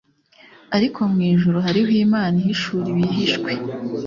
ariko mu ijuru hariho Imana ihishura ibihishwe